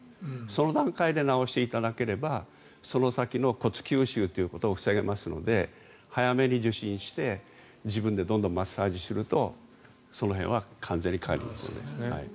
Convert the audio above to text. その段階で治していかなければその先の骨吸収を防げますので早めに受診して自分でどんどんマッサージするとその辺は完全に回復します。